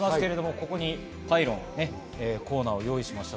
ここにコーナーを用意しました。